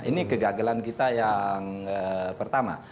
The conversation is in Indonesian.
ini kegagalan kita yang pertama